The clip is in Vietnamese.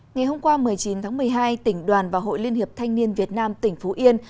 ngày hôm qua một mươi chín tháng một mươi hai tỉnh đoàn và hội liên hiệp thanh niên việt nam tỉnh phú yên